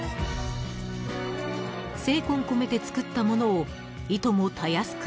［精魂込めて作ったものをいともたやすく